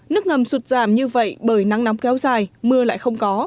nước ngầm sụt giảm như vậy bởi nắng nóng kéo dài mưa lại không có